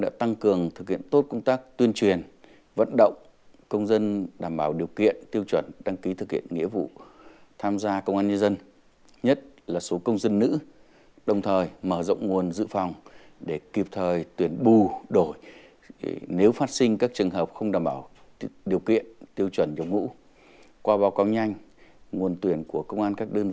để thực hiện các nhiệm vụ tham gia bảo vệ an ninh trật tự theo quy định